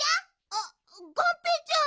あっがんぺーちゃん！